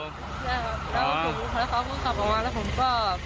ใช่ครับแล้วเขาก็กลับออกมาแล้วผมก็เปิดประตูแล้วก็กระโดดออกมาครับ